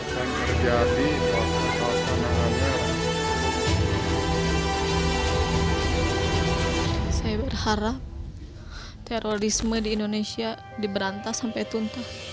saya berharap terorisme di indonesia diberantas sampai tuntas